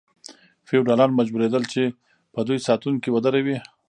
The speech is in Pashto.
فیوډالان مجبوریدل چې په دوی ساتونکي ودروي.